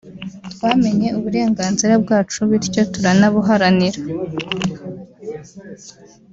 twamenye uburenganzira bwacu bityo turanabuharanira